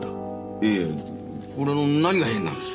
いえこれの何が変なんです？